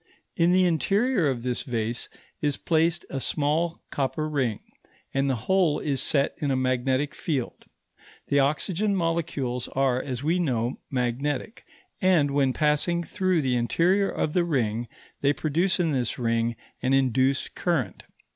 In the interior of this vase is placed a small copper ring, and the whole is set in a magnetic field. The oxygen molecules are, as we know, magnetic, and when passing through the interior of the ring they produce in this ring an induced current.